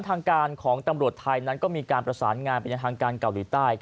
ทางการของตำรวจไทยนั้นก็มีการประสานงานไปยังทางการเกาหลีใต้